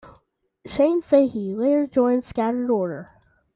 Shane Fahey later joined Scattered Order.